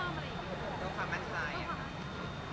ต้องเพิ่มความมั่นใจละค่ะ